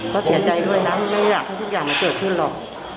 ก็เสียใจด้วยนะไม่อยากให้ทุกอย่างมันเกิดขึ้นหรอก